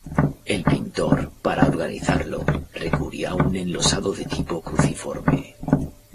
El pintor, para organizarlo, recurrió a un enlosado de tipo cruciforme.